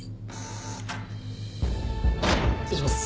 ・・・失礼します。